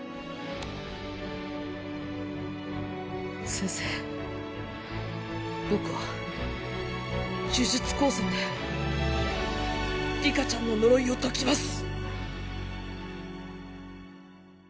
先生僕は呪術高専で里香ちゃんの呪いを解きます。